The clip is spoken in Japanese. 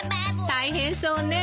大変そうね。